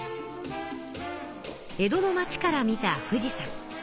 江戸の町から見た富士山。